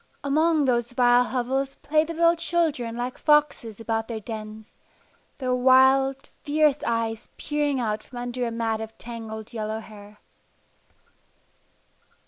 Among those vile hovels played the little children like foxes about their dens, their wild, fierce eyes peering out from under a mat of tangled yellow hair.